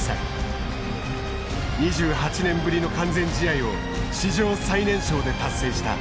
２８年ぶりの完全試合を史上最年少で達成した。